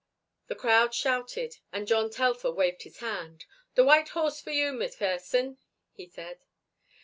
The crowd shouted and John Telfer waved his hand. "The white horse for you, McPherson," he said.